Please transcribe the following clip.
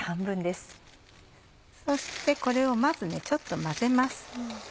そしてこれをまずちょっと混ぜます。